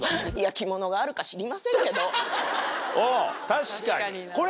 確かに。